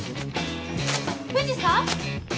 藤さん？